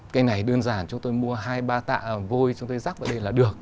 cái này đơn giản chúng tôi mua hai ba tạ vôi chúng tôi rắc vào đây là được